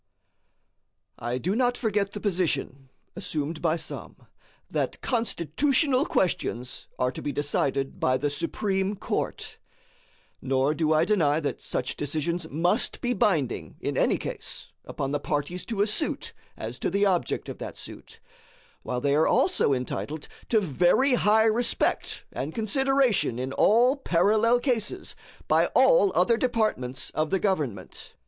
I do not forget the position, assumed by some, that Constitutional questions are to be decided by the Supreme Court; nor do I deny that such decisions must be binding, in any case, upon the parties to a suit, as to the object of that suit, while they are also entitled to very high respect and consideration in all parallel cases by all other departments of the government.